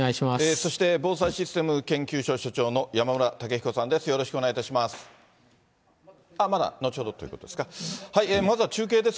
そして防災システム研究所所長の山村武彦さんです。